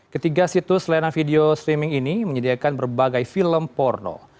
ketiga situs layanan video streaming ini menyediakan berbagai film porno